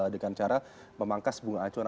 dengan cara memangkas bunga acuan